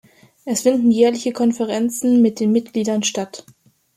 Es finden jährlich Konferenzen mit den Mitgliedern statt.